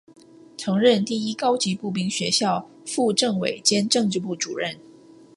曾任第一高级步兵学校副政委兼政治部主任。